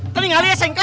telinga dia sengklek